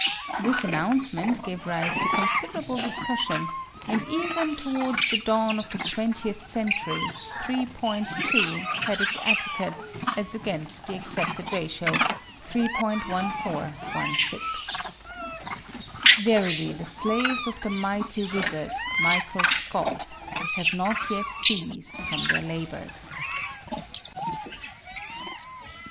This announcement gave rise to con siderable discussion, and even towards the dawn of the twentieth century 3.2 had its advocates as against the accepted ratio 3.1416. Verily the slaves of the mighty wizard, Michael Scott, have not yet ceased from their labors